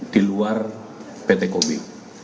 di luar pt kopi